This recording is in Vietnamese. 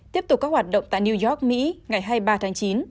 tiếp tục các hoạt động tại new york mỹ ngày hai mươi ba tháng chín